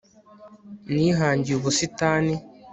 nihangiye ubusitani